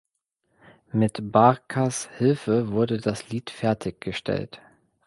Mit Barkers Hilfe wurde das Lied fertig gestellt.